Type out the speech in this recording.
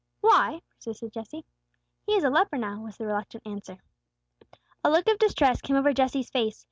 "Why?" persisted Jesse. "He is a leper now," was the reluctant answer. A look of distress came over Jesse's face.